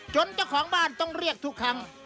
เจ้าของบ้านต้องเรียกทุกครั้ง